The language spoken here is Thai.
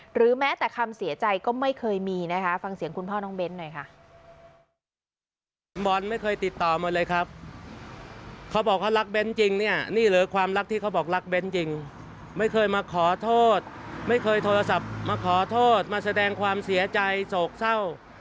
หรือแม้แต่คำเสียใจก็ไม่เคยมีนะคะฟังเสียงคุณพ่อน้องเบ้นหน่อยค่ะ